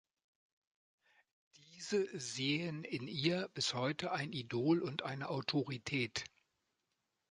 Diese sehen in ihr bis heute ein Idol und eine Autorität.